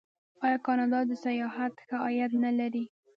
آیا کاناډا د سیاحت ښه عاید نلري؟